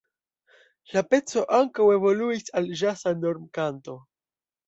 La peco ankaŭ evoluis al ĵaza normkanto.